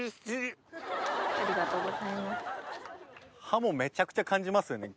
ハモめちゃくちゃ感じますよね